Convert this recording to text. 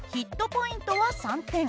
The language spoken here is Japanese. ポイントは３点。